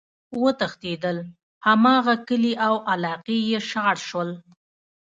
وتښتيدل!! هماغه کلي او علاقي ئی شاړ شول،